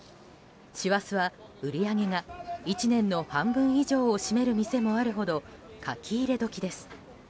師走は売り上げが１年の半分以上を占める店もあるほど書き入れ時です。